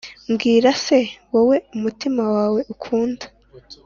Mbwira se, wowe umutima wanjye ukunda,